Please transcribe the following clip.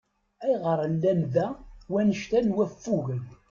Ayɣeṛ llan da wannect-a n waffugen?